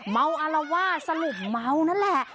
เมาอลาว่าสรุปเมานั่นแหละ